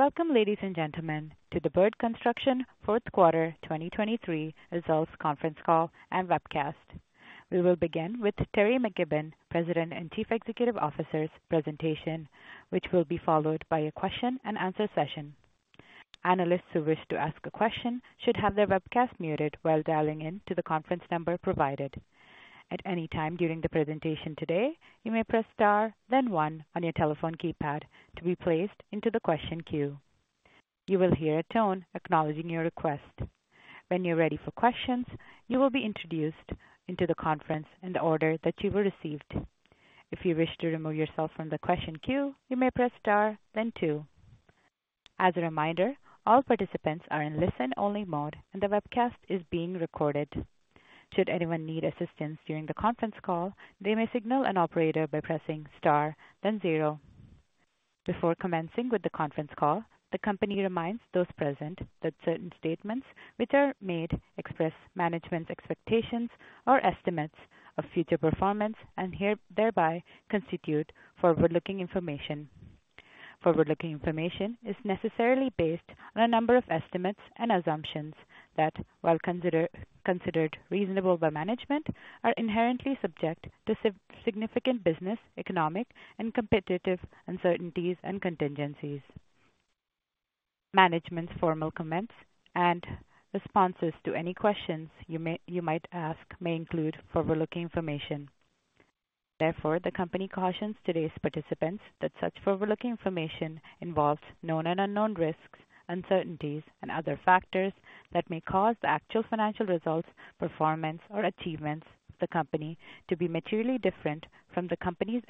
Welcome, ladies and gentlemen, to the Bird Construction Fourth Quarter 2023 Results Conference Call and webcast. We will begin with Teri McKibbon, President and Chief Executive Officer's presentation, which will be followed by a question-and-answer session. Analysts who wish to ask a question should have their webcast muted while dialing into the conference number provided. At any time during the presentation today, you may press * then 1 on your telephone keypad to be placed into the question queue. You will hear a tone acknowledging your request. When you're ready for questions, you will be introduced into the conference in the order that you were received. If you wish to remove yourself from the question queue, you may press * then 2. As a reminder, all participants are in listen-only mode and the webcast is being recorded. Should anyone need assistance during the conference call, they may signal an operator by pressing * then 0. Before commencing with the conference call, the company reminds those present that certain statements which are made express management's expectations or estimates of future performance and hereby constitute forward-looking information. Forward-looking information is necessarily based on a number of estimates and assumptions that, while considered reasonable by management, are inherently subject to significant business, economic, and competitive uncertainties and contingencies. Management's formal comments and responses to any questions you might ask may include forward-looking information. Therefore, the company cautions today's participants that such forward-looking information involves known and unknown risks, uncertainties, and other factors that may cause the actual financial results, performance, or achievements of the company to be materially different from the company's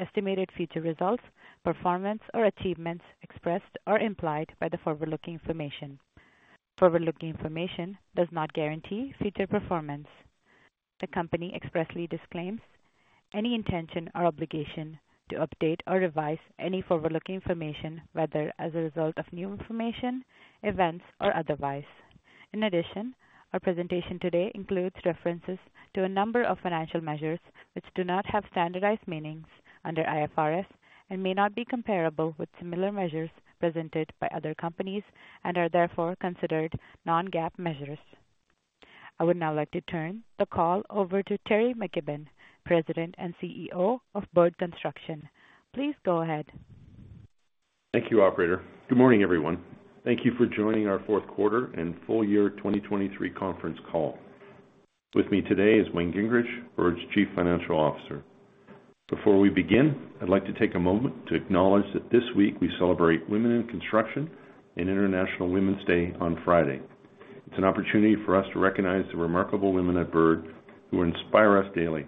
estimated future results, performance, or achievements expressed or implied by the forward-looking information. Forward-looking information does not guarantee future performance. The company expressly disclaims any intention or obligation to update or revise any forward-looking information, whether as a result of new information, events, or otherwise. In addition, our presentation today includes references to a number of financial measures which do not have standardized meanings under IFRS and may not be comparable with similar measures presented by other companies and are therefore considered non-GAAP measures. I would now like to turn the call over to Teri McKibbon, President and CEO of Bird Construction. Please go ahead. Thank you, Operator. Good morning, everyone. Thank you for joining our Fourth Quarter and Full Year 2023 conference call. With me today is Wayne Gingrich, Bird's Chief Financial Officer. Before we begin, I'd like to take a moment to acknowledge that this week we celebrate Women in Construction and International Women's Day on Friday. It's an opportunity for us to recognize the remarkable women at Bird who inspire us daily.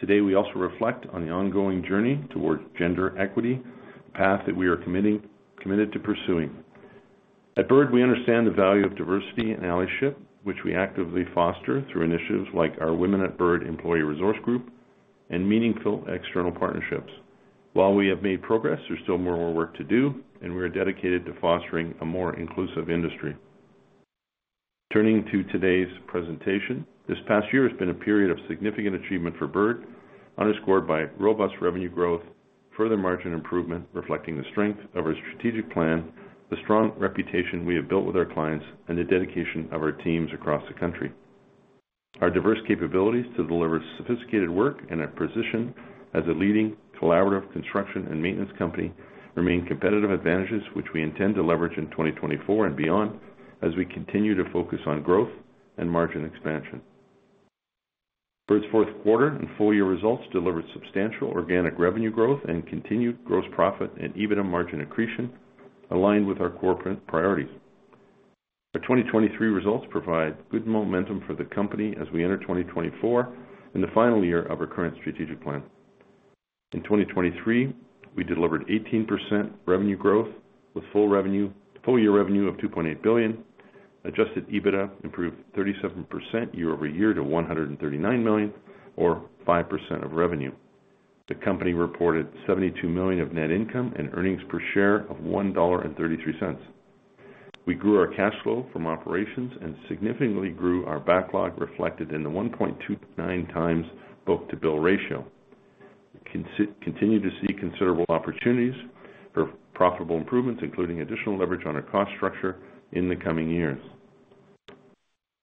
Today, we also reflect on the ongoing journey towards gender equity, a path that we are committed to pursuing. At Bird, we understand the value of diversity and allyship, which we actively foster through initiatives like our Women at Bird Employee Resource Group and meaningful external partnerships. While we have made progress, there's still more work to do, and we are dedicated to fostering a more inclusive industry. Turning to today's presentation, this past year has been a period of significant achievement for Bird, underscored by robust revenue growth, further margin improvement reflecting the strength of our strategic plan, the strong reputation we have built with our clients, and the dedication of our teams across the country. Our diverse capabilities to deliver sophisticated work and a position as a leading collaborative construction and maintenance company remain competitive advantages, which we intend to leverage in 2024 and beyond as we continue to focus on growth and margin expansion. Bird's Fourth Quarter and Full Year results delivered substantial organic revenue growth and continued gross profit and EBITDA margin accretion aligned with our corporate priorities. Our 2023 results provide good momentum for the company as we enter 2024 and the final year of our current strategic plan. In 2023, we delivered 18% revenue growth with full year revenue of 2.8 billion, Adjusted EBITDA improved 37% year-over-year to 139 million, or 5% of revenue. The company reported 72 million of net income and earnings per share of 1.33 dollar. We grew our cash flow from operations and significantly grew our backlog reflected in the 1.29 times book-to-bill ratio. We continue to see considerable opportunities for profitable improvements, including additional leverage on our cost structure in the coming years.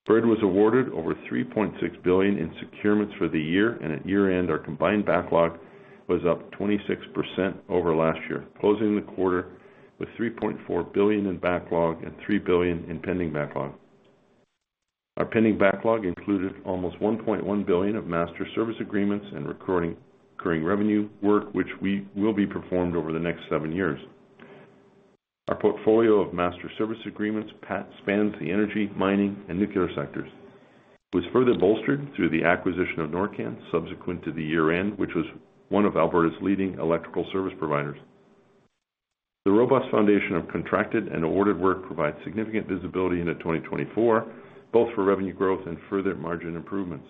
Bird was awarded over 3.6 billion in securements for the year, and at year-end, our combined backlog was up 26% over last year, closing the quarter with 3.4 billion in backlog and 3 billion in pending backlog. Our pending backlog included almost 1.1 billion of master service agreements and recurring revenue work, which will be performed over the next seven years. Our portfolio of master service agreements spans the energy, mining, and nuclear sectors. It was further bolstered through the acquisition of NorCan subsequent to the year-end, which was one of Alberta's leading electrical service providers. The robust foundation of contracted and awarded work provides significant visibility into 2024, both for revenue growth and further margin improvements.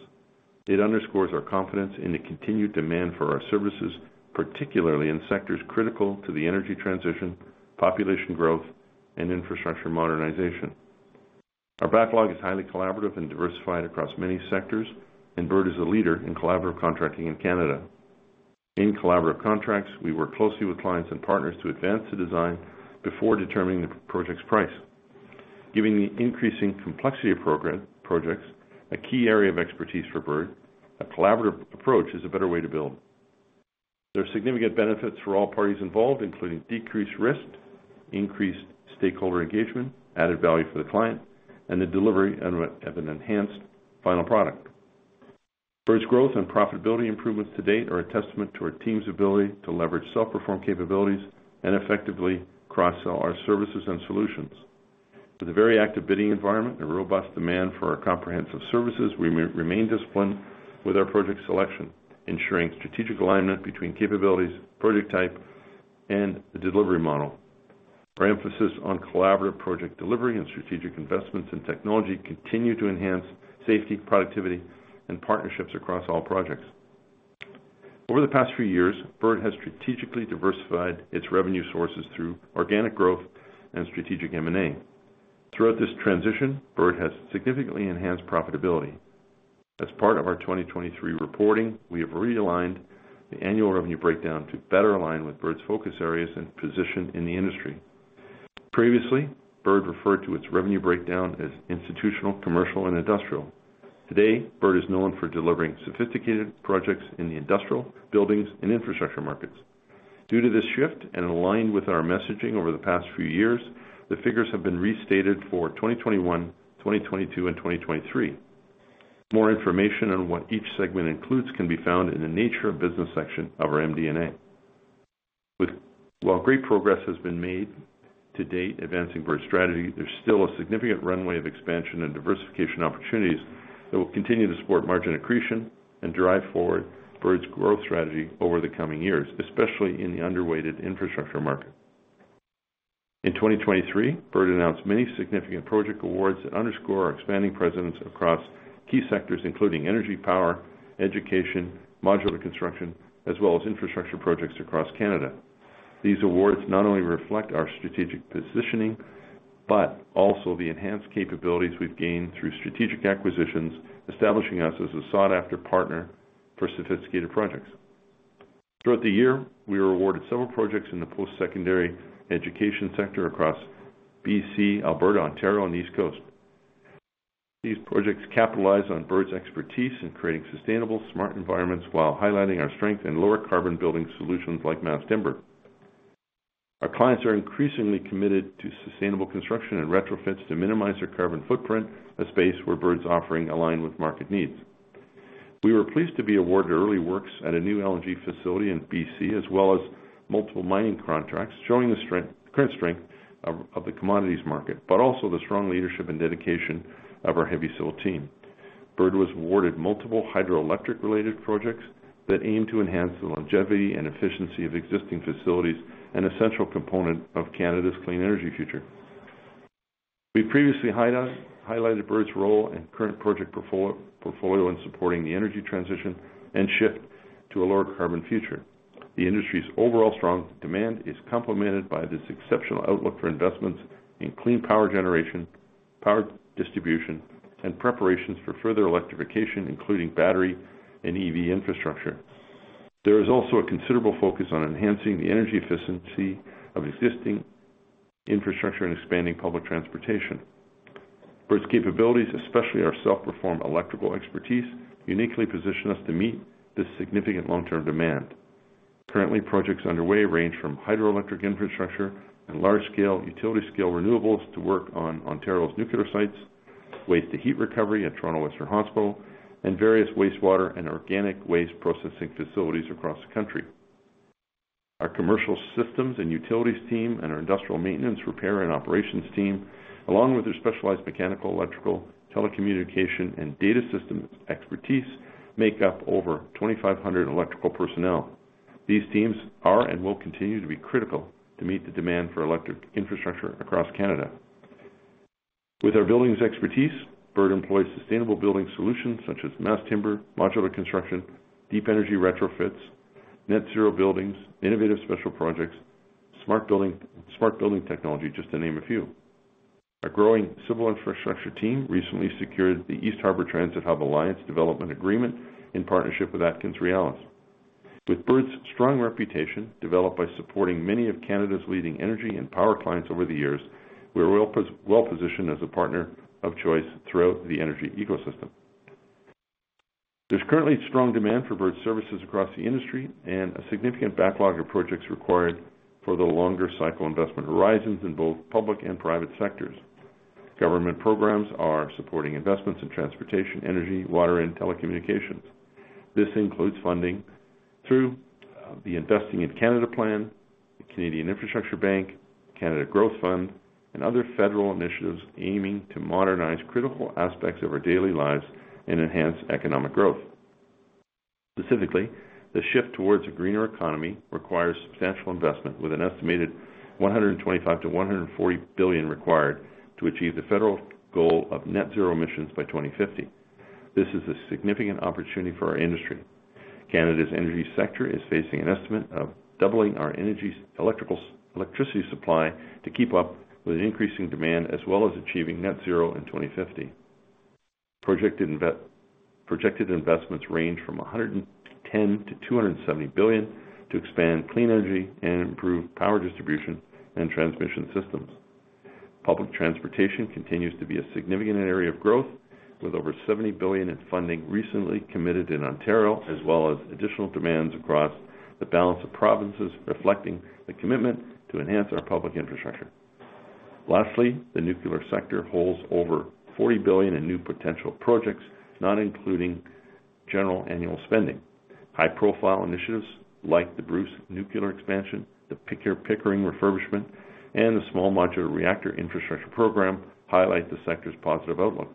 It underscores our confidence in the continued demand for our services, particularly in sectors critical to the energy transition, population growth, and infrastructure modernization. Our backlog is highly collaborative and diversified across many sectors, and Bird is a leader in collaborative contracting in Canada. In collaborative contracts, we work closely with clients and partners to advance the design before determining the project's price. Given the increasing complexity of projects, a key area of expertise for Bird, a collaborative approach is a better way to build. There are significant benefits for all parties involved, including decreased risk, increased stakeholder engagement, added value for the client, and the delivery of an enhanced final product. Bird's growth and profitability improvements to date are a testament to our team's ability to leverage self-performed capabilities and effectively cross-sell our services and solutions. With a very active bidding environment and robust demand for our comprehensive services, we remain disciplined with our project selection, ensuring strategic alignment between capabilities, project type, and the delivery model. Our emphasis on collaborative project delivery and strategic investments in technology continue to enhance safety, productivity, and partnerships across all projects. Over the past few years, Bird has strategically diversified its revenue sources through organic growth and strategic M&A. Throughout this transition, Bird has significantly enhanced profitability. As part of our 2023 reporting, we have realigned the annual revenue breakdown to better align with Bird's focus areas and position in the industry. Previously, Bird referred to its revenue breakdown as institutional, commercial, and industrial. Today, Bird is known for delivering sophisticated projects in the industrial, buildings, and infrastructure markets. Due to this shift and in line with our messaging over the past few years, the figures have been restated for 2021, 2022, and 2023. More information on what each segment includes can be found in the Nature of Business section of our MD&A. While great progress has been made to date advancing Bird's strategy, there's still a significant runway of expansion and diversification opportunities that will continue to support margin accretion and drive forward Bird's growth strategy over the coming years, especially in the underweighted infrastructure market. In 2023, Bird announced many significant project awards that underscore our expanding presence across key sectors, including energy, power, education, modular construction, as well as infrastructure projects across Canada. These awards not only reflect our strategic positioning but also the enhanced capabilities we've gained through strategic acquisitions, establishing us as a sought-after partner for sophisticated projects. Throughout the year, we were awarded several projects in the post-secondary education sector across BC, Alberta, Ontario, and East Coast. These projects capitalize on Bird's expertise in creating sustainable, smart environments while highlighting our strength in lower-carbon building solutions like mass timber. Our clients are increasingly committed to sustainable construction and retrofits to minimize their carbon footprint, a space where Bird's offering aligns with market needs. We were pleased to be awarded early works at a new LNG facility in BC, as well as multiple mining contracts, showing the current strength of the commodities market but also the strong leadership and dedication of our heavy civil team. Bird was awarded multiple hydroelectric-related projects that aim to enhance the longevity and efficiency of existing facilities, an essential component of Canada's clean energy future. We previously highlighted Bird's role and current project portfolio in supporting the energy transition and shift to a lower-carbon future. The industry's overall strong demand is complemented by this exceptional outlook for investments in clean power generation, power distribution, and preparations for further electrification, including battery and EV infrastructure. There is also a considerable focus on enhancing the energy efficiency of existing infrastructure and expanding public transportation. Bird's capabilities, especially our self-performed electrical expertise, uniquely position us to meet this significant long-term demand. Currently, projects underway range from hydroelectric infrastructure and large-scale utility-scale renewables to work on Ontario's nuclear sites, waste-to-heat recovery at Toronto Western Hospital, and various wastewater and organic waste processing facilities across the country. Our commercial systems and utilities team and our industrial maintenance, repair, and operations team, along with their specialized mechanical, electrical, telecommunication, and data systems expertise, make up over 2,500 electrical personnel. These teams are and will continue to be critical to meet the demand for electric infrastructure across Canada. With our buildings' expertise, Bird employs sustainable building solutions such as mass timber, modular construction, deep energy retrofits, net-zero buildings, innovative special projects, smart building technology, just to name a few. Our growing civil infrastructure team recently secured the East Harbour Transit Hub Alliance development agreement in partnership with AtkinsRéalis. With Bird's strong reputation developed by supporting many of Canada's leading energy and power clients over the years, we are well-positioned as a partner of choice throughout the energy ecosystem. There's currently strong demand for Bird's services across the industry and a significant backlog of projects required for the longer cycle investment horizons in both public and private sectors. Government programs are supporting investments in transportation, energy, water, and telecommunications. This includes funding through the Investing in Canada Plan, the Canadian Infrastructure Bank, Canada Growth Fund, and other federal initiatives aiming to modernize critical aspects of our daily lives and enhance economic growth. Specifically, the shift towards a greener economy requires substantial investment, with an estimated 125 billion-140 billion required to achieve the federal goal of net-zero emissions by 2050. This is a significant opportunity for our industry. Canada's energy sector is facing an estimate of doubling our electricity supply to keep up with increasing demand as well as achieving net-zero in 2050. Projected investments range from 110 billion-270 billion to expand clean energy and improve power distribution and transmission systems. Public transportation continues to be a significant area of growth, with over 70 billion in funding recently committed in Ontario, as well as additional demands across the balance of provinces, reflecting the commitment to enhance our public infrastructure. Lastly, the nuclear sector holds over 40 billion in new potential projects, not including general annual spending. High-profile initiatives like the Bruce nuclear expansion, the Pickering refurbishment, and the small modular reactor infrastructure program highlight the sector's positive outlook.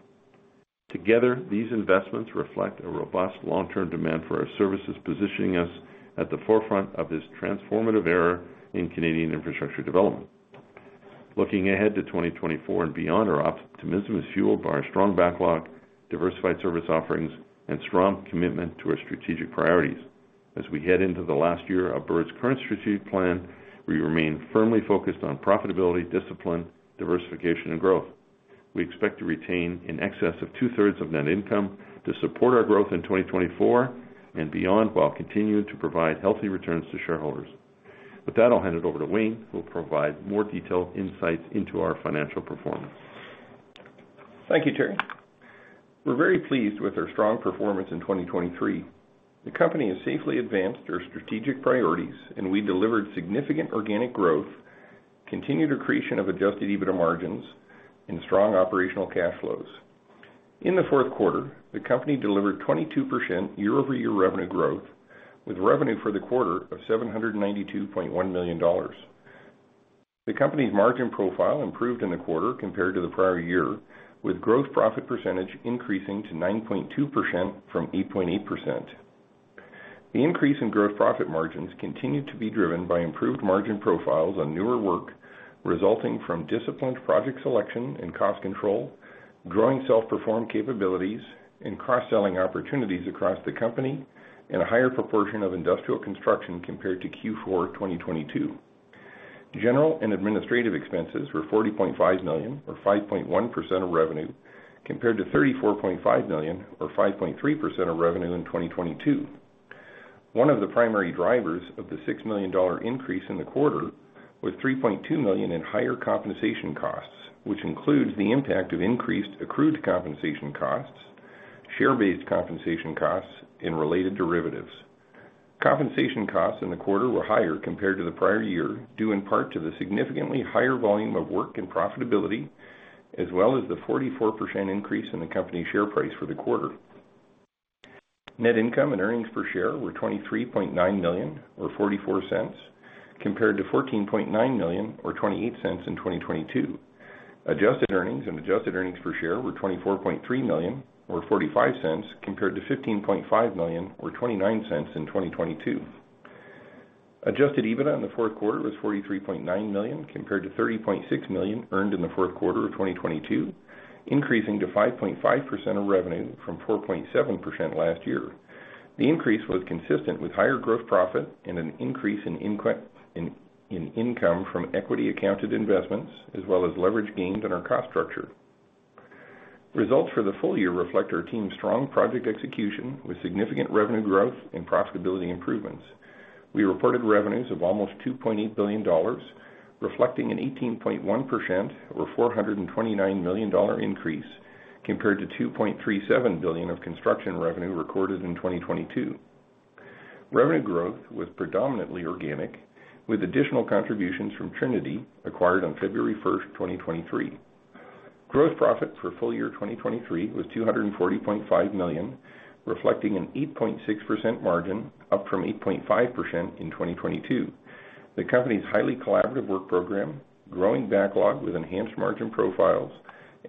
Together, these investments reflect a robust long-term demand for our services, positioning us at the forefront of this transformative era in Canadian infrastructure development. Looking ahead to 2024 and beyond, our optimism is fueled by our strong backlog, diversified service offerings, and strong commitment to our strategic priorities. As we head into the last year of Bird's current strategic plan, we remain firmly focused on profitability, discipline, diversification, and growth. We expect to retain an excess of two-thirds of net income to support our growth in 2024 and beyond while continuing to provide healthy returns to shareholders. With that, I'll hand it over to Wayne, who will provide more detailed insights into our financial performance. Thank you, Teri. We're very pleased with our strong performance in 2023. The company has safely advanced our strategic priorities, and we delivered significant organic growth, continued accretion of Adjusted EBITDA margins, and strong operational cash flows. In the fourth quarter, the company delivered 22% year-over-year revenue growth, with revenue for the quarter of 792.1 million dollars. The company's margin profile improved in the quarter compared to the prior year, with gross profit percentage increasing to 9.2% from 8.8%. The increase in gross profit margins continued to be driven by improved margin profiles on newer work, resulting from disciplined project selection and cost control, growing self-performed capabilities, and cross-selling opportunities across the company and a higher proportion of industrial construction compared to Q4 2022. General and administrative expenses were 40.5 million, or 5.1% of revenue, compared to 34.5 million, or 5.3% of revenue in 2022. One of the primary drivers of the 6 million dollar increase in the quarter was 3.2 million in higher compensation costs, which includes the impact of increased accrued compensation costs, share-based compensation costs, and related derivatives. Compensation costs in the quarter were higher compared to the prior year, due in part to the significantly higher volume of work and profitability, as well as the 44% increase in the company share price for the quarter. Net income and earnings per share were CAD 23.9 million, or 0.44, compared to CAD 14.9 million, or 0.28, in 2022. Adjusted earnings and adjusted earnings per share were CAD 24.3 million, or 0.45, compared to CAD 15.5 million, or 0.29, in 2022. Adjusted EBITDA in the fourth quarter was CAD 43.9 million, compared to CAD 30.6 million earned in the fourth quarter of 2022, increasing to 5.5% of revenue from 4.7% last year. The increase was consistent with higher gross profit and an increase in income from equity-accounted investments, as well as leverage gained on our cost structure. Results for the full year reflect our team's strong project execution with significant revenue growth and profitability improvements. We reported revenues of almost 2.8 billion dollars, reflecting an 18.1%, or 429 million dollar, increase compared to 2.37 billion of construction revenue recorded in 2022. Revenue growth was predominantly organic, with additional contributions from Trinity acquired on February 1, 2023. Gross profit for full year 2023 was 240.5 million, reflecting an 8.6% margin, up from 8.5% in 2022. The company's highly collaborative work program, growing backlog with enhanced margin profiles,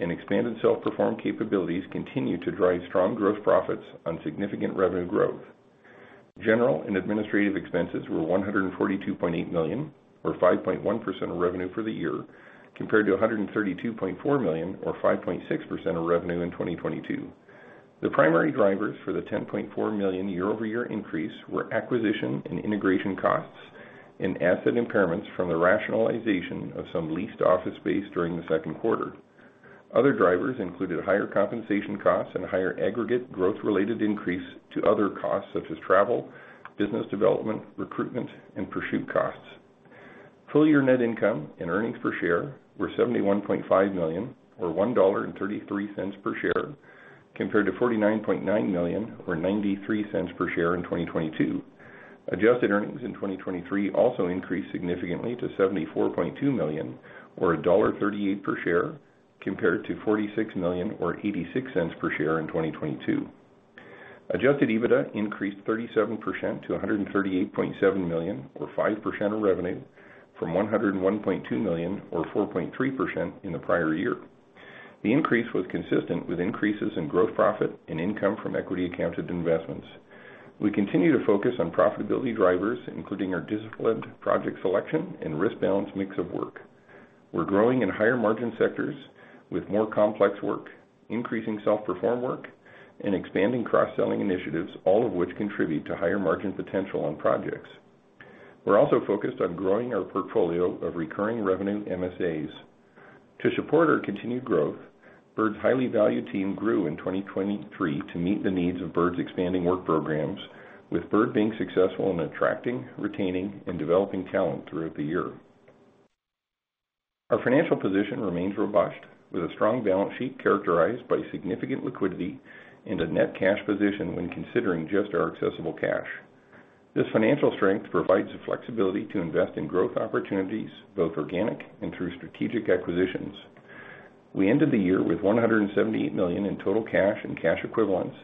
and expanded self-performed capabilities continue to drive strong gross profits on significant revenue growth. General and administrative expenses were CAD 142.8 million, or 5.1% of revenue for the year, compared to CAD 132.4 million, or 5.6% of revenue in 2022. The primary drivers for the CAD 10.4 million year-over-year increase were acquisition and integration costs and asset impairments from the rationalization of some leased office space during the second quarter. Other drivers included higher compensation costs and higher aggregate growth-related increase to other costs such as travel, business development, recruitment, and pursuit costs. Full year net income and earnings per share were 71.5 million, or 1.33 dollar per share, compared to 49.9 million, or 0.93 per share in 2022. Adjusted earnings in 2023 also increased significantly to 74.2 million, or dollar 1.38 per share, compared to 46 million, or 0.86 per share in 2022. Adjusted EBITDA increased 37% to 138.7 million, or 5% of revenue, from 101.2 million, or 4.3% in the prior year. The increase was consistent with increases in growth profit and income from equity-accounted investments. We continue to focus on profitability drivers, including our disciplined project selection and risk-balanced mix of work. We're growing in higher-margin sectors with more complex work, increasing self-performed work, and expanding cross-selling initiatives, all of which contribute to higher margin potential on projects. We're also focused on growing our portfolio of recurring revenue MSAs. To support our continued growth, Bird's highly valued team grew in 2023 to meet the needs of Bird's expanding work programs, with Bird being successful in attracting, retaining, and developing talent throughout the year. Our financial position remains robust, with a strong balance sheet characterized by significant liquidity and a net cash position when considering just our accessible cash. This financial strength provides flexibility to invest in growth opportunities, both organic and through strategic acquisitions. We ended the year with 178 million in total cash and cash equivalents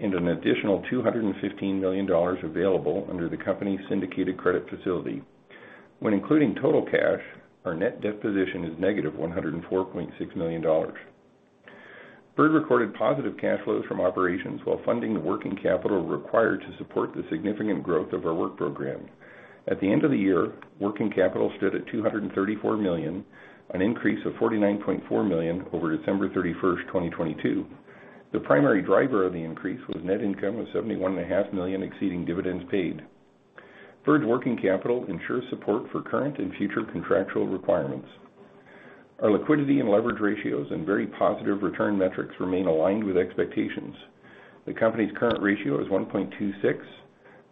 and an additional 215 million dollars available under the company's syndicated credit facility. When including total cash, our net debt position is negative 104.6 million dollars. Bird recorded positive cash flows from operations while funding the working capital required to support the significant growth of our work program. At the end of the year, working capital stood at 234 million, an increase of 49.4 million over December 31, 2022. The primary driver of the increase was net income of 71.5 million exceeding dividends paid. Bird's working capital ensures support for current and future contractual requirements. Our liquidity and leverage ratios and very positive return metrics remain aligned with expectations. The company's current ratio is 1.26.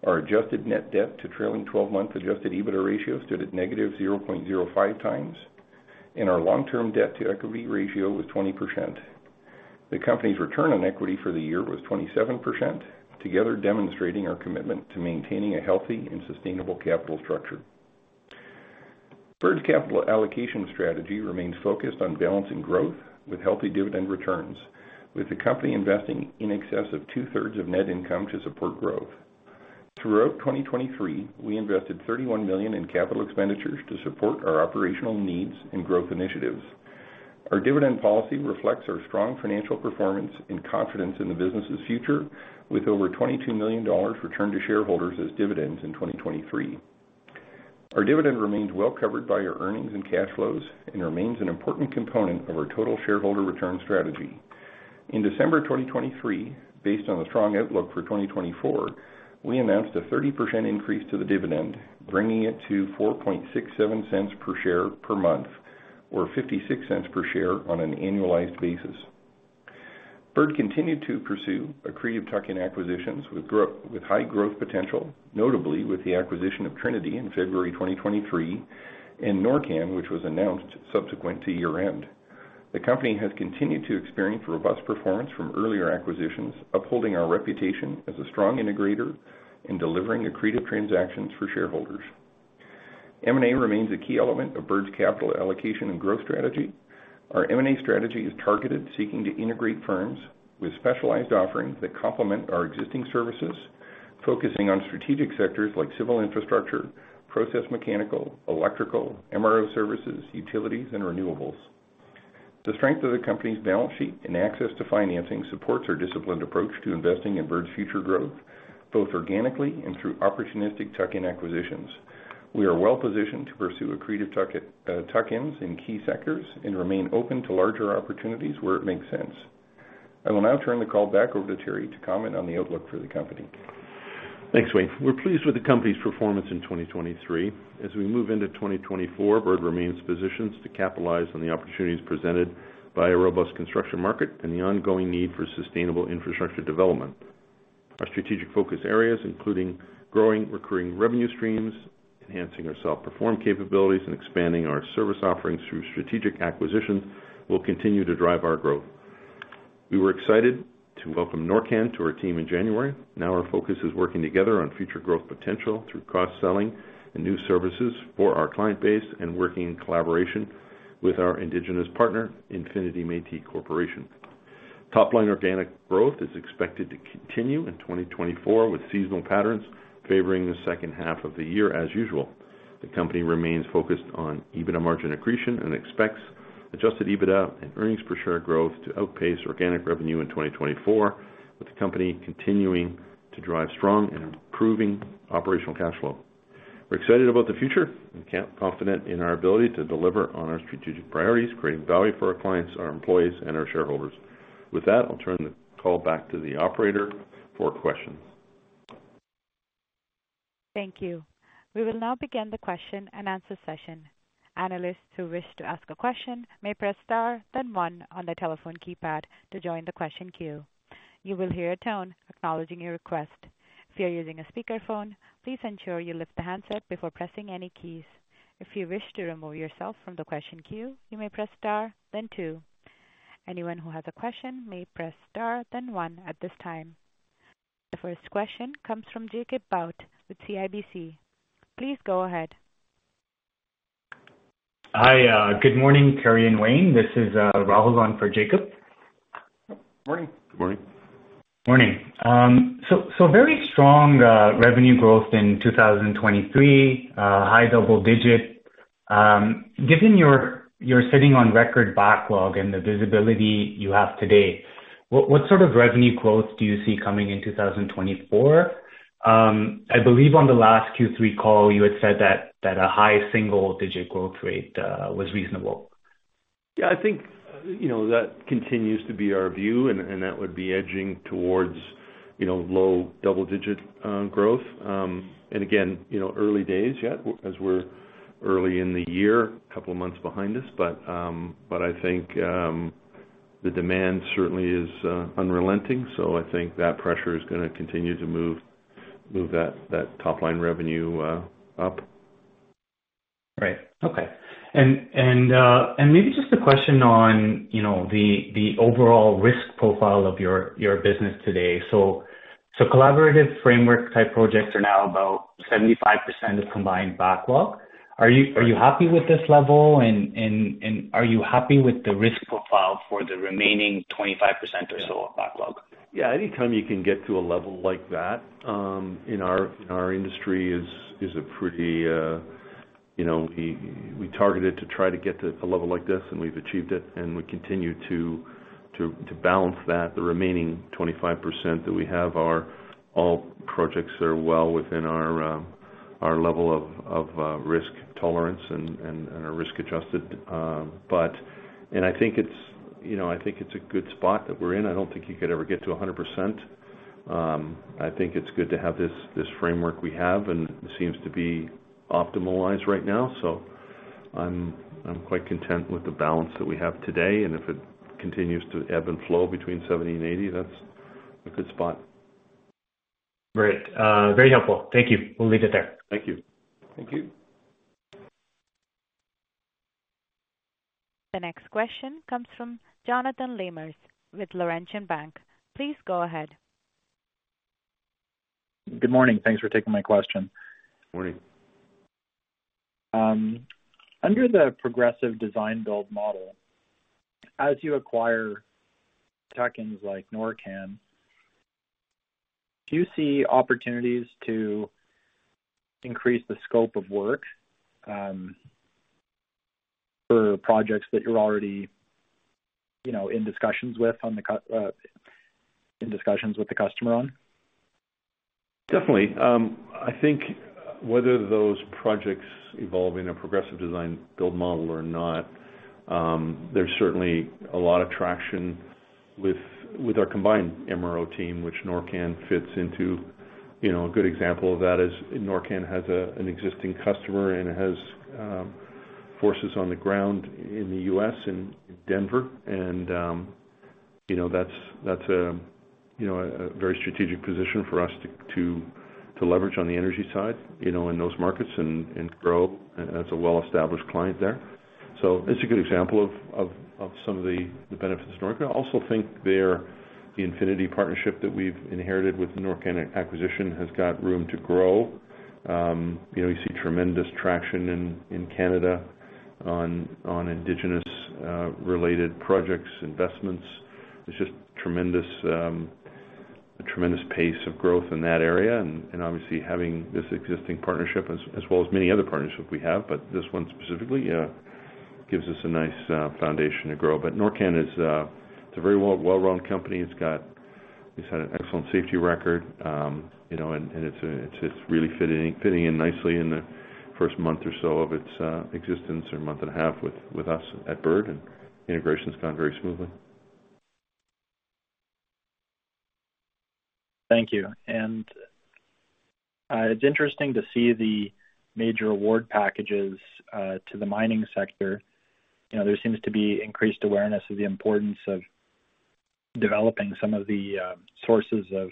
Our adjusted net debt to trailing 12-month Adjusted EBITDA ratio stood at negative 0.05 times, and our long-term debt-to-equity ratio was 20%. The company's return on equity for the year was 27%, together demonstrating our commitment to maintaining a healthy and sustainable capital structure. Bird's capital allocation strategy remains focused on balancing growth with healthy dividend returns, with the company investing an excess of two-thirds of net income to support growth. Throughout 2023, we invested 31 million in capital expenditures to support our operational needs and growth initiatives. Our dividend policy reflects our strong financial performance and confidence in the business's future, with over 22 million dollars returned to shareholders as dividends in 2023. Our dividend remains well-covered by our earnings and cash flows and remains an important component of our total shareholder return strategy. In December 2023, based on the strong outlook for 2024, we announced a 30% increase to the dividend, bringing it to 0.0467 per share per month, or 0.56 per share on an annualized basis. Bird continued to pursue accretive tuck-in acquisitions with high growth potential, notably with the acquisition of Trinity in February 2023 and NorCan, which was announced subsequent to year-end. The company has continued to experience robust performance from earlier acquisitions, upholding our reputation as a strong integrator and delivering accretive transactions for shareholders. M&A remains a key element of Bird's capital allocation and growth strategy. Our M&A strategy is targeted, seeking to integrate firms with specialized offerings that complement our existing services, focusing on strategic sectors like civil infrastructure, process mechanical, electrical, MRO services, utilities, and renewables. The strength of the company's balance sheet and access to financing supports our disciplined approach to investing in Bird's future growth, both organically and through opportunistic tuck-in acquisitions. We are well-positioned to pursue accretive tuck-ins in key sectors and remain open to larger opportunities where it makes sense. I will now turn the call back over to Teri to comment on the outlook for the company. Thanks, Wayne. We're pleased with the company's performance in 2023. As we move into 2024, Bird remains positioned to capitalize on the opportunities presented by a robust construction market and the ongoing need for sustainable infrastructure development. Our strategic focus areas, including growing recurring revenue streams, enhancing our self-performed capabilities, and expanding our service offerings through strategic acquisitions, will continue to drive our growth. We were excited to welcome NorCan to our team in January. Now, our focus is working together on future growth potential through cross-selling and new services for our client base and working in collaboration with our Indigenous partner, Infinity Métis Corporation. Top-line organic growth is expected to continue in 2024, with seasonal patterns favoring the second half of the year as usual. The company remains focused on EBITDA margin accretion and expects Adjusted EBITDA and earnings per share growth to outpace organic revenue in 2024, with the company continuing to drive strong and improving operational cash flow. We're excited about the future and confident in our ability to deliver on our strategic priorities, creating value for our clients, our employees, and our shareholders. With that, I'll turn the call back to the operator for questions. Thank you. We will now begin the question and answer session. Analysts who wish to ask a question may press star, then one on the telephone keypad to join the question queue. You will hear a tone acknowledging your request. If you're using a speakerphone, please ensure you lift the handset before pressing any keys. If you wish to remove yourself from the question queue, you may press star, then two. Anyone who has a question may press star, then one at this time. The first question comes from Jacob Bout with CIBC. Please go ahead. Hi. Good morning, Teri and Wayne. This is Rahul on for Jacob. Morning. Good morning. Morning. So very strong revenue growth in 2023, high double-digit. Given you're sitting on record backlog and the visibility you have today, what sort of revenue growth do you see coming in 2024? I believe on the last Q3 call, you had said that a high single-digit growth rate was reasonable. Yeah. I think that continues to be our view, and that would be edging towards low double-digit growth. And again, early days yet as we're early in the year, a couple of months behind us. But I think the demand certainly is unrelenting, so I think that pressure is going to continue to move that top-line revenue up. Right. Okay. And maybe just a question on the overall risk profile of your business today. So collaborative framework-type projects are now about 75% of combined backlog. Are you happy with this level, and are you happy with the risk profile for the remaining 25% or so of backlog? Yeah. Anytime you can get to a level like that in our industry is pretty. We targeted to try to get to a level like this, and we've achieved it. We continue to balance that. The remaining 25% that we have, all projects are well within our level of risk tolerance and our risk-adjusted. I think it's a good spot that we're in. I don't think you could ever get to 100%. I think it's good to have this framework we have, and it seems to be optimized right now. So I'm quite content with the balance that we have today. If it continues to ebb and flow between 70% and 80%, that's a good spot. Great. Very helpful. Thank you. We'll leave it there. Thank you. Thank you. The next question comes from Jonathan Lamers with Laurentian Bank. Please go ahead. Good morning. Thanks for taking my question. Morning. Under the Progressive Design-Build model, as you acquire tuck-ins like NorCan, do you see opportunities to increase the scope of work for projects that you're already in discussions with the customer on? Definitely. I think whether those projects evolve in a progressive design-build model or not, there's certainly a lot of traction with our combined MRO team, which NorCan fits into. A good example of that is NorCan has an existing customer, and it has forces on the ground in the U.S. and in Denver. And that's a very strategic position for us to leverage on the energy side in those markets and grow as a well-established client there. So it's a good example of some of the benefits of NorCan. I also think the Infinity partnership that we've inherited with NorCan acquisition has got room to grow. We see tremendous traction in Canada on Indigenous-related projects, investments. It's just a tremendous pace of growth in that area. Obviously, having this existing partnership, as well as many other partnerships we have, but this one specifically, gives us a nice foundation to grow. NorCan is a very well-run company. It's had an excellent safety record, and it's really fitting in nicely in the first month or so of its existence, or month and a half, with us at Bird. Integration's gone very smoothly. Thank you. And it's interesting to see the major award packages to the mining sector. There seems to be increased awareness of the importance of developing some of the sources of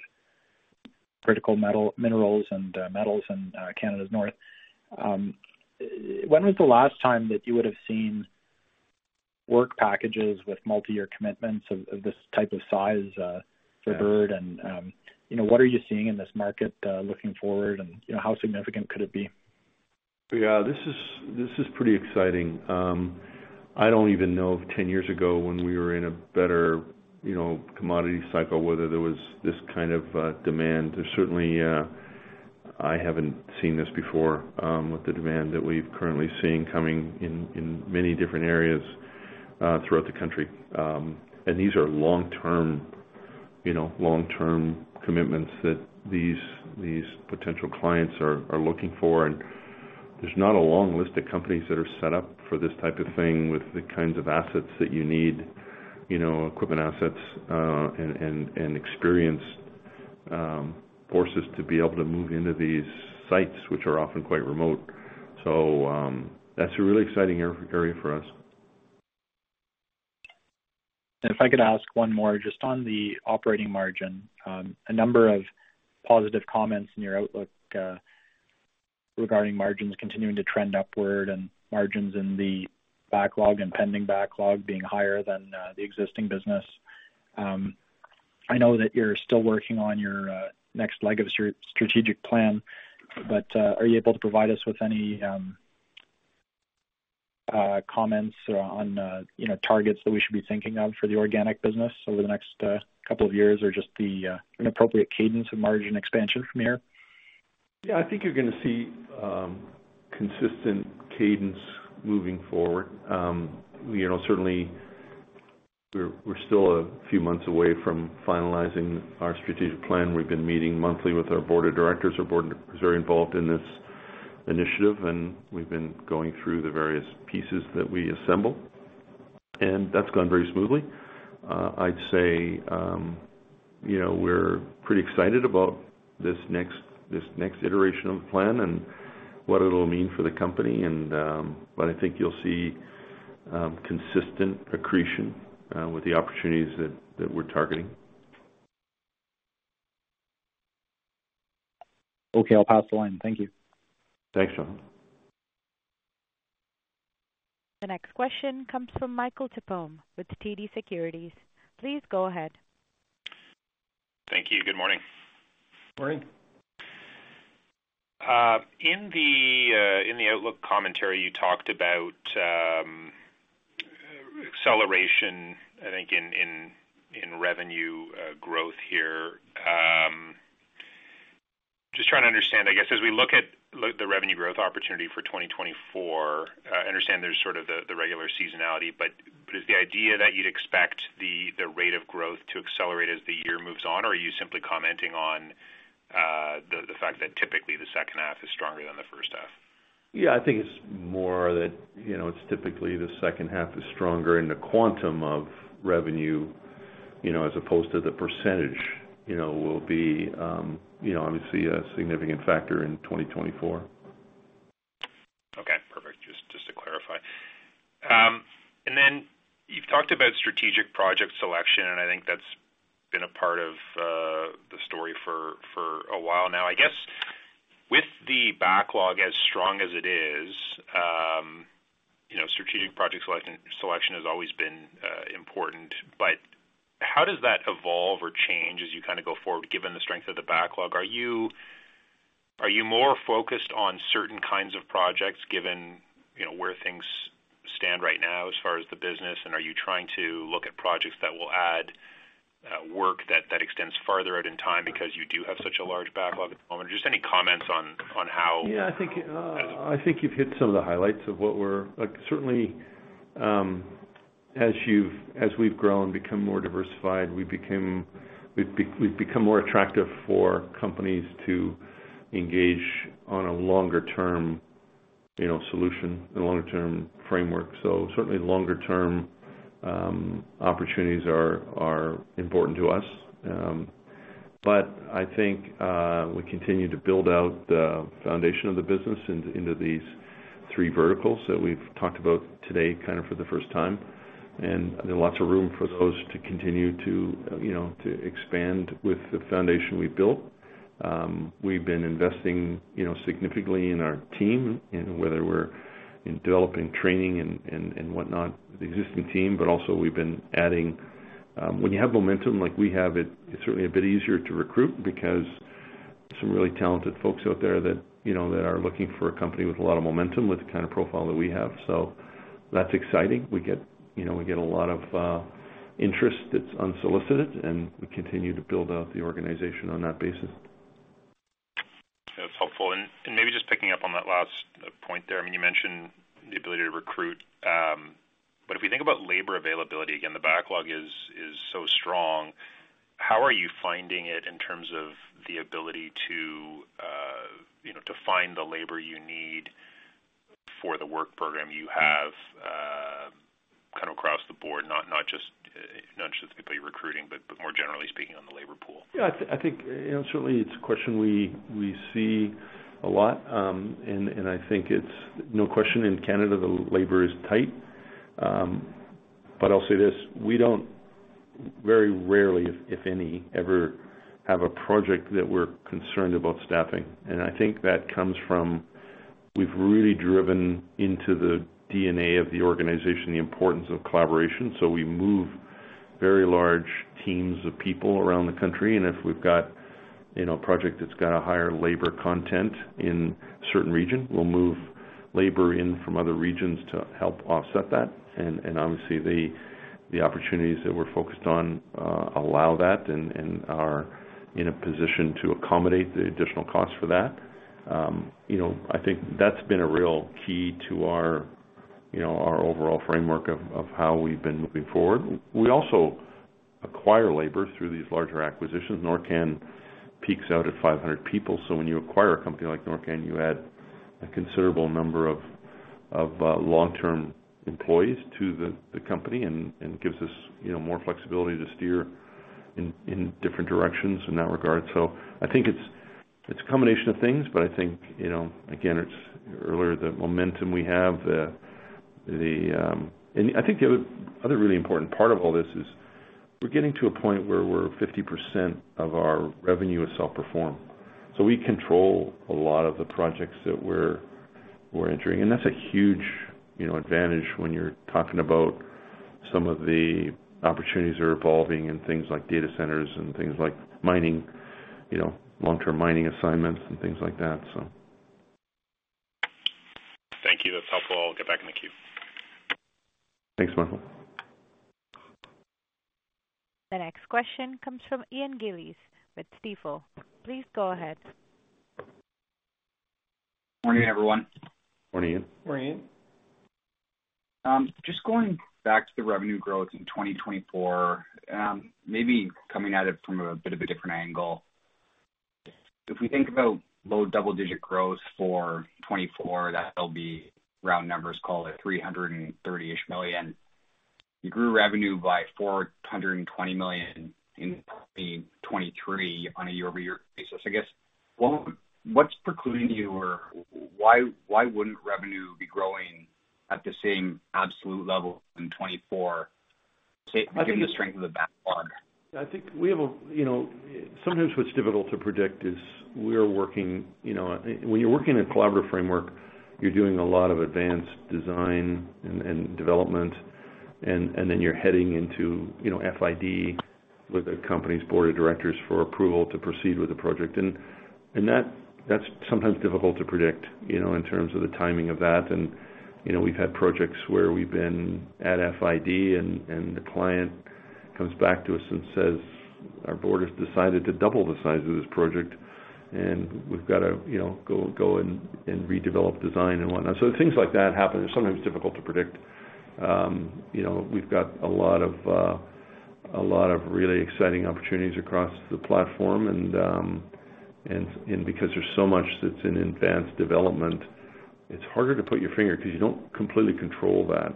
critical minerals and metals in Canada's north. When was the last time that you would have seen work packages with multi-year commitments of this type of size for Bird? And what are you seeing in this market looking forward, and how significant could it be? Yeah. This is pretty exciting. I don't even know if 10 years ago, when we were in a better commodity cycle, whether there was this kind of demand. Certainly, I haven't seen this before with the demand that we've currently seen coming in many different areas throughout the country. And these are long-term commitments that these potential clients are looking for. And there's not a long list of companies that are set up for this type of thing with the kinds of assets that you need, equipment assets, and experienced forces to be able to move into these sites, which are often quite remote. So that's a really exciting area for us. If I could ask one more just on the operating margin, a number of positive comments in your outlook regarding margins continuing to trend upward and margins in the backlog and pending backlog being higher than the existing business. I know that you're still working on your next leg of strategic plan, but are you able to provide us with any comments on targets that we should be thinking of for the organic business over the next couple of years or just the appropriate cadence of margin expansion from here? Yeah. I think you're going to see consistent cadence moving forward. Certainly, we're still a few months away from finalizing our strategic plan. We've been meeting monthly with our board of directors. Our board is very involved in this initiative, and we've been going through the various pieces that we assemble. And that's gone very smoothly. I'd say we're pretty excited about this next iteration of the plan and what it'll mean for the company. But I think you'll see consistent accretion with the opportunities that we're targeting. Okay. I'll pass the line. Thank you. Thanks, Sean. The next question comes from Michael Tupholme with TD Securities. Please go ahead. Thank you. Good morning. Morning. In the outlook commentary, you talked about acceleration, I think, in revenue growth here. Just trying to understand, I guess, as we look at the revenue growth opportunity for 2024, I understand there's sort of the regular seasonality, but is the idea that you'd expect the rate of growth to accelerate as the year moves on, or are you simply commenting on the fact that typically the second half is stronger than the first half? Yeah. I think it's more that it's typically the second half is stronger in the quantum of revenue as opposed to the percentage, which will be, obviously, a significant factor in 2024. Okay. Perfect. Just to clarify. And then you've talked about strategic project selection, and I think that's been a part of the story for a while now. I guess with the backlog as strong as it is, strategic project selection has always been important. But how does that evolve or change as you kind of go forward given the strength of the backlog? Are you more focused on certain kinds of projects given where things stand right now as far as the business, and are you trying to look at projects that will add work that extends farther out in time because you do have such a large backlog at the moment? Or just any comments on how that is a problem? Yeah. I think you've hit some of the highlights of what we're certainly, as we've grown, become more diversified, we've become more attractive for companies to engage on a longer-term solution, a longer-term framework. So certainly, longer-term opportunities are important to us. But I think we continue to build out the foundation of the business into these three verticals that we've talked about today kind of for the first time. There's lots of room for those to continue to expand with the foundation we've built. We've been investing significantly in our team, whether we're in developing training and whatnot with the existing team, but also we've been adding. When you have momentum like we have it, it's certainly a bit easier to recruit because there's some really talented folks out there that are looking for a company with a lot of momentum with the kind of profile that we have. So that's exciting. We get a lot of interest that's unsolicited, and we continue to build out the organization on that basis. That's helpful. Maybe just picking up on that last point there. I mean, you mentioned the ability to recruit. If we think about labor availability, again, the backlog is so strong. How are you finding it in terms of the ability to find the labor you need for the work program you have kind of across the board, not just the people you're recruiting, but more generally speaking on the labor pool? Yeah. I think certainly, it's a question we see a lot. I think it's no question in Canada, the labor is tight. But I'll say this. We don't very rarely, if any, ever have a project that we're concerned about staffing. I think that comes from we've really driven into the DNA of the organization the importance of collaboration. We move very large teams of people around the country. If we've got a project that's got a higher labor content in a certain region, we'll move labor in from other regions to help offset that. Obviously, the opportunities that we're focused on allow that and are in a position to accommodate the additional costs for that. I think that's been a real key to our overall framework of how we've been moving forward. We also acquire labor through these larger acquisitions. NorCan peaks out at 500 people. So when you acquire a company like NorCan, you add a considerable number of long-term employees to the company and gives us more flexibility to steer in different directions in that regard. So I think it's a combination of things, but I think, again, it's earlier the momentum we have. And I think the other really important part of all this is we're getting to a point where we're 50% of our revenue is self-perform. So we control a lot of the projects that we're entering. And that's a huge advantage when you're talking about some of the opportunities that are evolving in things like data centers and things like long-term mining assignments and things like that, so. Thank you. That's helpful. I'll get back in the queue. Thanks, Michael. The next question comes from Ian Gillis with Stifel. Please go ahead. Morning, everyone. Morning, Ian. Morning, Ian. Just going back to the revenue growth in 2024, maybe coming at it from a bit of a different angle. If we think about low double-digit growth for 2024, that'll be round numbers, call it 330-ish million. You grew revenue by 420 million in 2023 on a year-over-year basis. I guess, what's precluding you, or why wouldn't revenue be growing at the same absolute level in 2024 given the strength of the backlog? I think we have a sometimes what's difficult to predict is we're working when you're working in a collaborative framework, you're doing a lot of advanced design and development, and then you're heading into FID with the company's board of directors for approval to proceed with the project. That's sometimes difficult to predict in terms of the timing of that. We've had projects where we've been at FID, and the client comes back to us and says, "Our board has decided to double the size of this project, and we've got to go and redevelop design," and whatnot. So things like that happen. They're sometimes difficult to predict. We've got a lot of really exciting opportunities across the platform. Because there's so much that's in advanced development, it's harder to put your finger because you don't completely control that.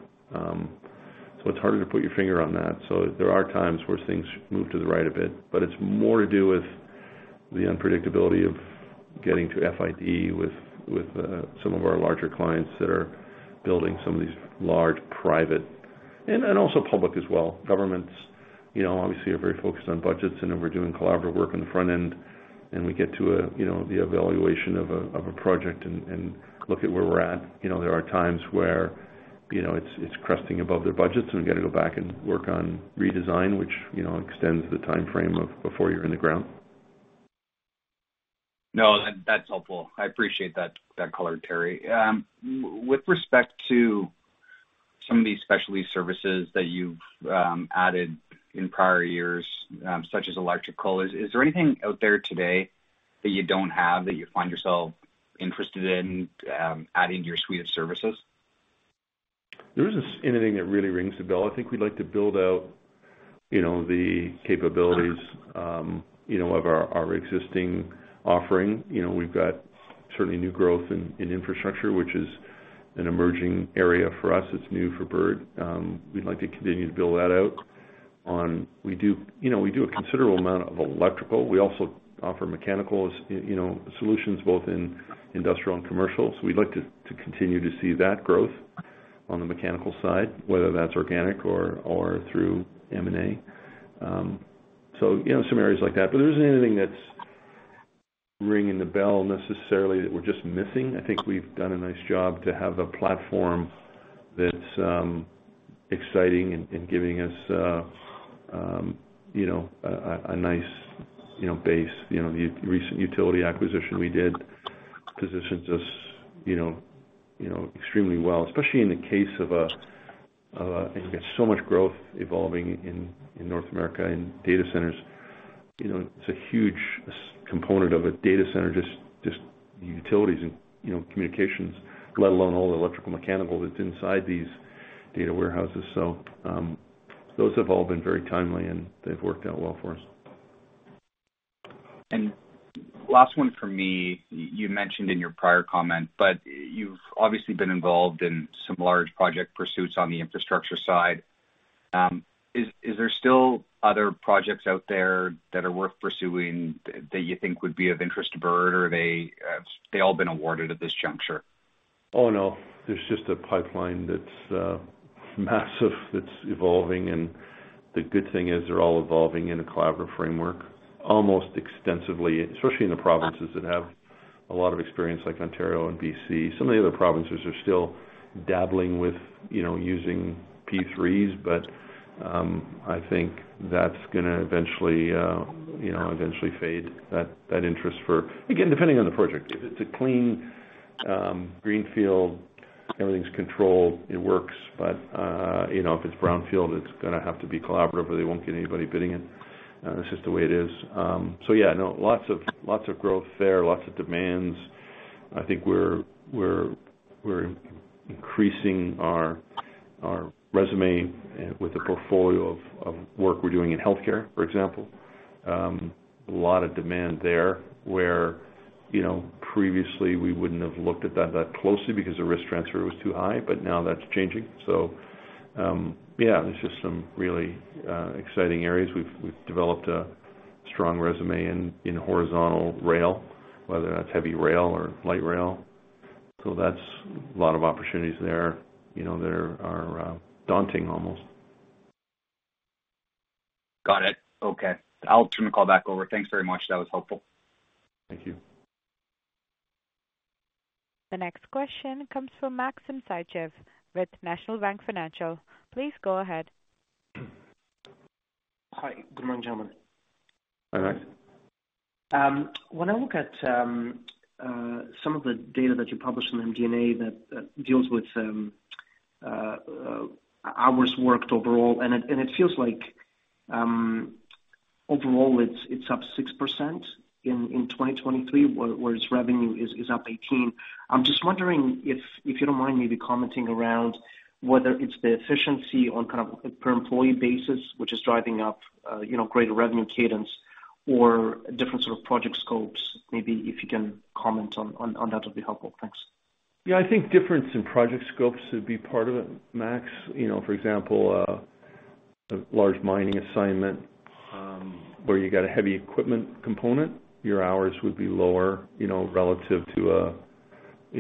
So it's harder to put your finger on that. So there are times where things move to the right a bit. But it's more to do with the unpredictability of getting to FID with some of our larger clients that are building some of these large private and also public as well. Governments, obviously, are very focused on budgets, and if we're doing collaborative work on the front end, and we get to the evaluation of a project and look at where we're at, there are times where it's cresting above their budgets, and we got to go back and work on redesign, which extends the timeframe before you're in the ground. No, that's helpful. I appreciate that color, Teri. With respect to some of these specialty services that you've added in prior years, such as electrical, is there anything out there today that you don't have that you find yourself interested in adding to your suite of services? There isn't anything that really rings a bell. I think we'd like to build out the capabilities of our existing offering. We've got certainly new growth in infrastructure, which is an emerging area for us. It's new for Bird. We'd like to continue to build that out, and we do a considerable amount of electrical. We also offer mechanical solutions both in industrial and commercial. So we'd like to continue to see that growth on the mechanical side, whether that's organic or through M&A. So some areas like that. But there isn't anything that's ringing the bell necessarily that we're just missing. I think we've done a nice job to have a platform that's exciting and giving us a nice base. The recent utility acquisition we did positions us extremely well, especially in the case of AI, and you get so much growth evolving in North America in data centers. It's a huge component of a data center, just the utilities and communications, let alone all the electrical mechanical that's inside these data warehouses. So those have all been very timely, and they've worked out well for us. Last one for me. You mentioned in your prior comment, but you've obviously been involved in some large project pursuits on the infrastructure side. Is there still other projects out there that are worth pursuing that you think would be of interest to Bird, or they've all been awarded at this juncture? Oh, no. There's just a pipeline that's massive that's evolving. And the good thing is they're all evolving in a collaborative framework almost extensively, especially in the provinces that have a lot of experience like Ontario and BC. Some of the other provinces are still dabbling with using P3s, but I think that's going to eventually fade, that interest for again, depending on the project. If it's a clean greenfield, everything's controlled, it works. But if it's brownfield, it's going to have to be collaborative, or they won't get anybody bidding it. That's just the way it is. So yeah, no, lots of growth there, lots of demands. I think we're increasing our resume with a portfolio of work we're doing in healthcare, for example. A lot of demand there where previously, we wouldn't have looked at that that closely because the risk transfer was too high, but now that's changing. So yeah, there's just some really exciting areas. We've developed a strong resume in horizontal rail, whether that's heavy rail or light rail. So that's a lot of opportunities there that are daunting almost. Got it. Okay. I'll turn the call back over. Thanks very much. That was helpful. Thank you. The next question comes from Maxim Sytchev with National Bank Financial. Please go ahead. Hi. Good morning, gentlemen. Hi, Maxim. When I look at some of the data that you publish on MD&A that deals with our work overall, and it feels like overall, it's up 6% in 2023, whereas revenue is up 18. I'm just wondering if you don't mind maybe commenting around whether it's the efficiency on kind of a per-employee basis, which is driving up greater revenue cadence, or different sort of project scopes. Maybe if you can comment on that, it'll be helpful. Thanks. Yeah. I think difference in project scopes would be part of it, Max. For example, a large mining assignment where you got a heavy equipment component, your hours would be lower relative to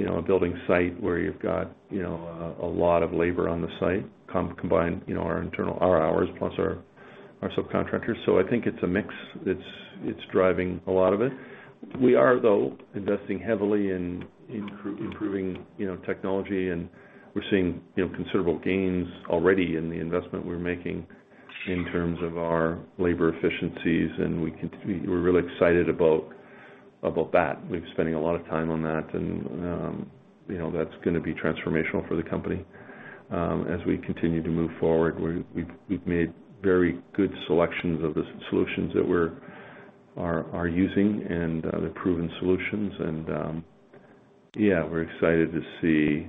a building site where you've got a lot of labor on the site, combined our hours plus our subcontractors. So I think it's a mix. It's driving a lot of it. We are, though, investing heavily in improving technology, and we're seeing considerable gains already in the investment we're making in terms of our labor efficiencies. And we're really excited about that. We've been spending a lot of time on that, and that's going to be transformational for the company as we continue to move forward. We've made very good selections of the solutions that we're using, and they're proven solutions. And yeah, we're excited to see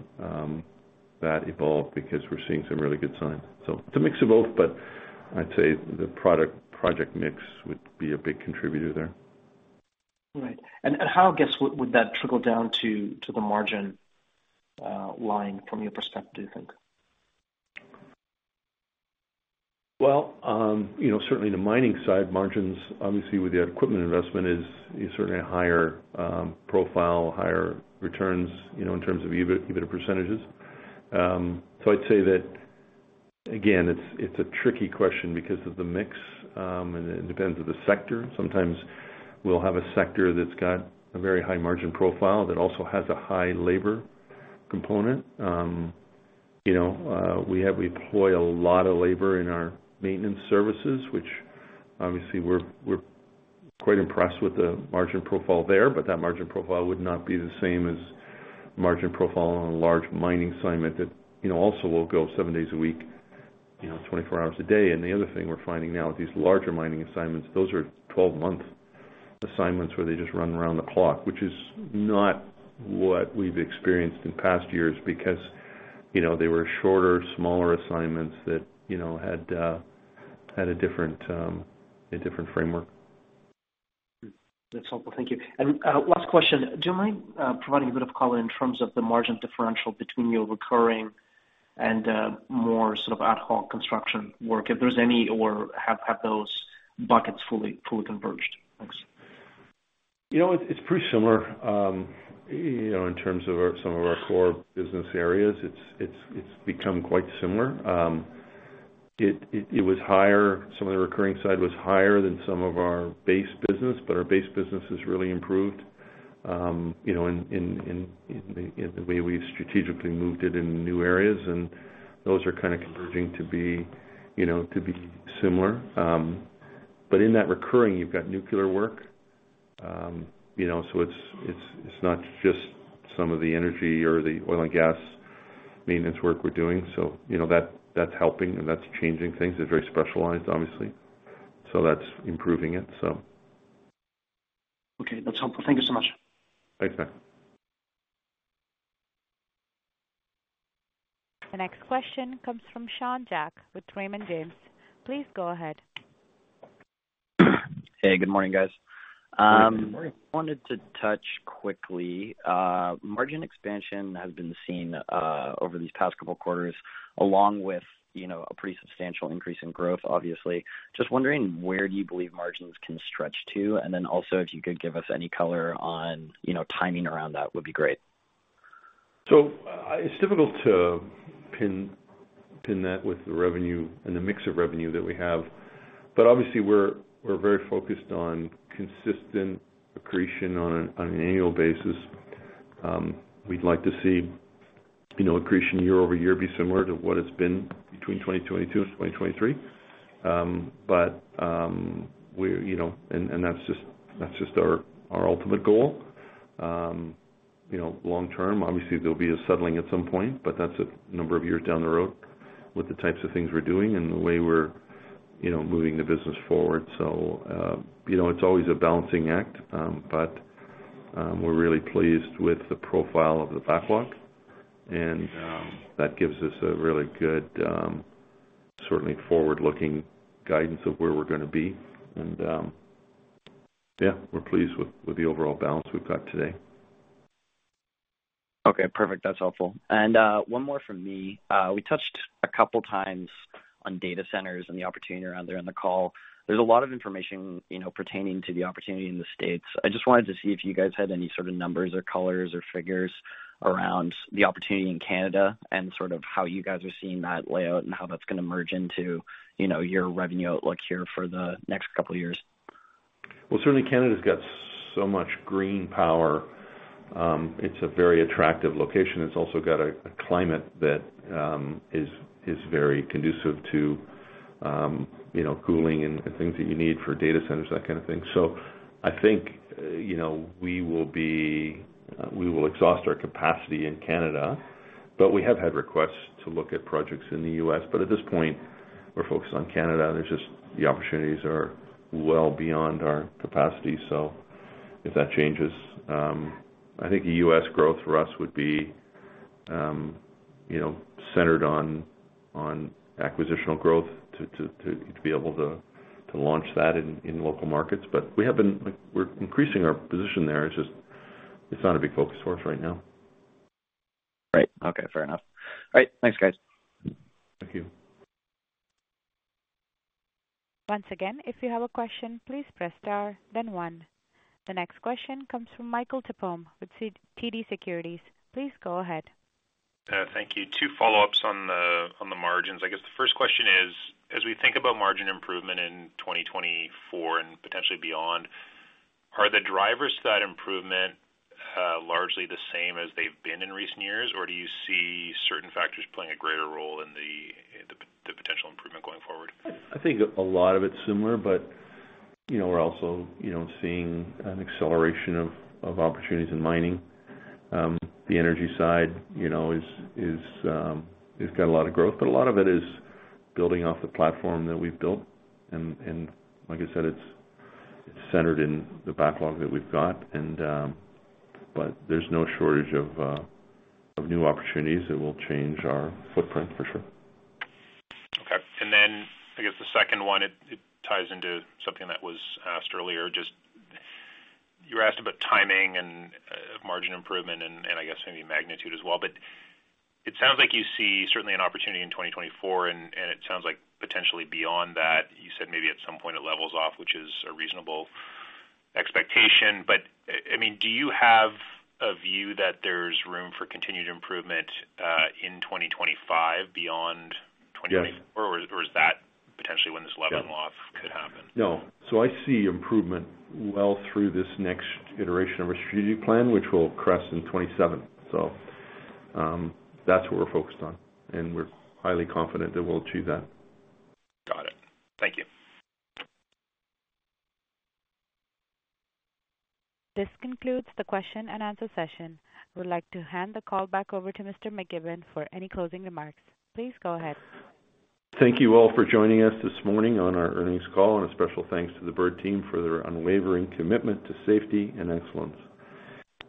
that evolve because we're seeing some really good signs. It's a mix of both, but I'd say the project mix would be a big contributor there. Right. And how, I guess, would that trickle down to the margin line from your perspective, do you think? Well, certainly, on the mining side, margins, obviously, with the equipment investment, is certainly a higher profile, higher returns in terms of even percentages. So I'd say that, again, it's a tricky question because of the mix, and it depends on the sector. Sometimes, we'll have a sector that's got a very high margin profile that also has a high labor component. We employ a lot of labor in our maintenance services, which obviously, we're quite impressed with the margin profile there, but that margin profile would not be the same as the margin profile on a large mining assignment that also will go 7 days a week, 24 hours a day. The other thing we're finding now with these larger mining assignments, those are 12-month assignments where they just run around the clock, which is not what we've experienced in past years because they were shorter, smaller assignments that had a different framework. That's helpful. Thank you. Last question. Do you mind providing a bit of color in terms of the margin differential between your recurring and more sort of ad hoc construction work, if there's any, or have those buckets fully converged? Thanks. It's pretty similar in terms of some of our core business areas. It's become quite similar. It was higher. Some of the recurring side was higher than some of our base business, but our base business has really improved in the way we've strategically moved it in new areas, and those are kind of converging to be similar. But in that recurring, you've got nuclear work. So it's not just some of the energy or the oil and gas maintenance work we're doing. So that's helping, and that's changing things. It's very specialized, obviously, so that's improving it, so. Okay. That's helpful. Thank you so much. Thanks, Max. The next question comes from Sean Jack with Raymond James. Please go ahead. Hey. Good morning, guys. Good morning. I wanted to touch quickly. Margin expansion has been seen over these past couple of quarters along with a pretty substantial increase in growth, obviously. Just wondering, where do you believe margins can stretch to? And then also, if you could give us any color on timing around that, would be great. So it's difficult to pin that with the revenue and the mix of revenue that we have. But obviously, we're very focused on consistent accretion on an annual basis. We'd like to see accretion year-over-year be similar to what it's been between 2022 and 2023, but and that's just our ultimate goal long term. Obviously, there'll be a settling at some point, but that's a number of years down the road with the types of things we're doing and the way we're moving the business forward. So it's always a balancing act, but we're really pleased with the profile of the backlog, and that gives us a really good, certainly forward-looking guidance of where we're going to be. And yeah, we're pleased with the overall balance we've got today. Okay. Perfect. That's helpful. One more from me. We touched a couple of times on data centers and the opportunity around there in the call. There's a lot of information pertaining to the opportunity in the States. I just wanted to see if you guys had any sort of numbers or colors or figures around the opportunity in Canada and sort of how you guys are seeing that layout and how that's going to merge into your revenue outlook here for the next couple of years. Well, certainly, Canada's got so much green power. It's a very attractive location. It's also got a climate that is very conducive to cooling and things that you need for data centers, that kind of thing. So I think we will exhaust our capacity in Canada, but we have had requests to look at projects in the U.S. But at this point, we're focused on Canada. The opportunities are well beyond our capacity, so if that changes, I think the U.S. growth for us would be centered on acquisitional growth to be able to launch that in local markets. But we're increasing our position there. It's not a big focus for us right now. Right. Okay. Fair enough. All right. Thanks, guys. Thank you. Once again, if you have a question, please press star, then one. The next question comes from Michael Tupholme with TD Securities. Please go ahead. Thank you. Two follow-ups on the margins. I guess the first question is, as we think about margin improvement in 2024 and potentially beyond, are the drivers to that improvement largely the same as they've been in recent years, or do you see certain factors playing a greater role in the potential improvement going forward? I think a lot of it's similar, but we're also seeing an acceleration of opportunities in mining. The energy side has got a lot of growth, but a lot of it is building off the platform that we've built. And like I said, it's centered in the backlog that we've got, but there's no shortage of new opportunities that will change our footprint for sure. Okay. And then, I guess, the second one, it ties into something that was asked earlier. You were asked about timing of margin improvement and, I guess, maybe magnitude as well. But it sounds like you see certainly an opportunity in 2024, and it sounds like potentially beyond that, you said maybe at some point, it levels off, which is a reasonable expectation. But I mean, do you have a view that there's room for continued improvement in 2025 beyond 2024, or is that potentially when this leveling off could happen? No. So I see improvement well through this next iteration of our strategic plan, which will crest in 2027. So that's what we're focused on, and we're highly confident that we'll achieve that. Got it. Thank you. This concludes the question-and-answer session. I would like to hand the call back over to Mr. McKibbon for any closing remarks. Please go ahead. Thank you all for joining us this morning on our earnings call, and a special thanks to the Bird team for their unwavering commitment to safety and excellence.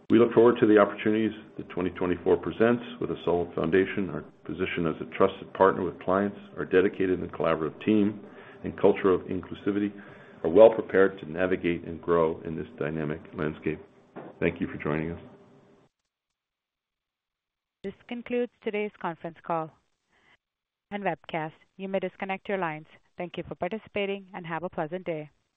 We look forward to the opportunities that 2024 presents with a solid foundation. Our position as a trusted partner with clients, our dedicated and collaborative team, and culture of inclusivity are well prepared to navigate and grow in this dynamic landscape. Thank you for joining us. This concludes today's conference call and webcast. You may disconnect your lines. Thank you for participating, and have a pleasant day.